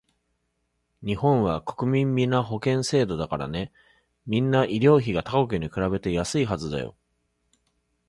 日本は国民皆保険制度だからね、みんな医療費が他国に比べて安いはずだよ